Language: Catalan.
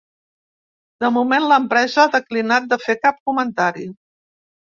De moment, l’empresa ha declinat de fer cap comentari.